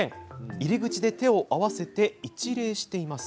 入り口で手を合わせ一礼しています。